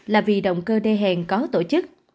là vì động cơ đe hèn có tổ chức